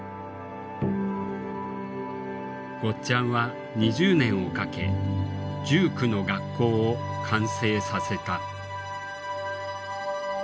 ゴッちゃんは２０年をかけ１９の学校を完成させた。